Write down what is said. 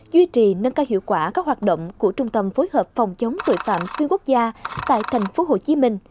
duy trì nâng cao hiệu quả các hoạt động của trung tâm phối hợp phòng chống tội phạm xuyên quốc gia tại tp hcm